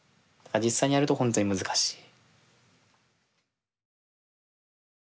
実際にやるとほんとに難しい。